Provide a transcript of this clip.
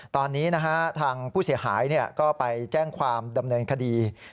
ตอนนี้ทางผู้เสียหายก็ไปแจ้งความดำเนินคดี